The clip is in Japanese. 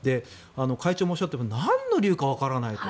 会長もおっしゃったようになんの理由かわからないと。